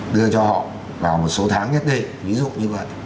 đưa cho họ vào một số tháng nhất định ví dụ như vậy